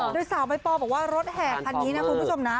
โดยสาวใบปอลบอกว่ารถแห่คันนี้นะคุณผู้ชมนะ